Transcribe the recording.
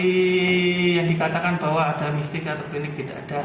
jadi yang dikatakan bahwa ada mistik atau klinik tidak ada